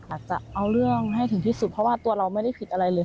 อาจจะเอาเรื่องให้ถึงที่สุดเพราะว่าตัวเราไม่ได้ผิดอะไรเลย